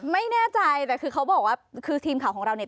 ไม่แน่ใจแต่คือเขาบอกว่าคือทีมข่าวของเราเนี่ย